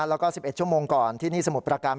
แล้วก็๑๑ชั่วโมงก่อนที่นี่สมุทรประการ